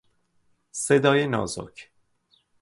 صدای نازک